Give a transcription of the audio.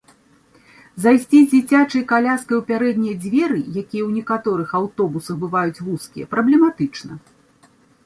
Зайсці з дзіцячай каляскай у пярэднія дзверы, якія ў некаторых аўтобусах бываюць вузкія, праблематычна.